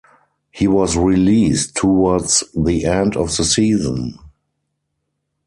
He was released towards the end of the season.